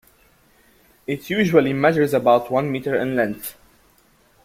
It usually measures about one meter in length.